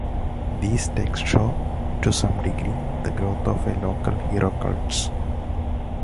These texts show, to some degree, the growth of a local hero cultus.